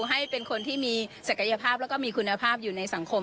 ให้เป็นคนที่มีศักยภาพแล้วก็มีคุณภาพอยู่ในสังคม